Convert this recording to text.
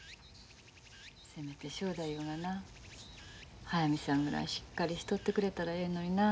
せめて正太夫がな速水さんぐらいしっかりしとってくれたらええのになと思うな。